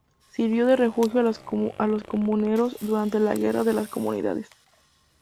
Sirvió de refugio a los comuneros durante la guerra de las Comunidades.